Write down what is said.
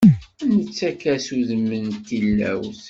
Nettakk-as udem n tilawt.